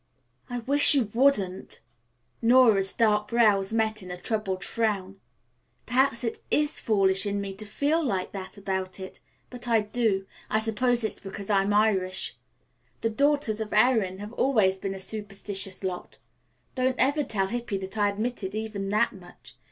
"I wish you wouldn't." Nora's dark brows met in a troubled frown. "Perhaps it is foolish in me to feel like that about it. But I do. I suppose it's because I'm Irish. The daughters of Erin have always been a superstitious lot. Don't ever tell Hippy that I admitted even that much.